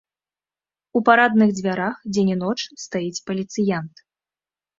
У парадных дзвярах дзень і ноч стаіць паліцыянт.